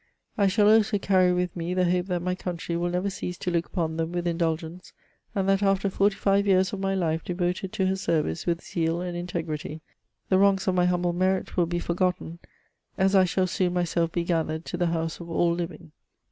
I shall also carry with me the hope that my country will never cease to look upon them with indulgence, and that after forty five years of my life devoted to her service with zeal and in tegrity, the wrongs of my humble merit will be forgotten, as I shall soon myself be gathered to the house of all living."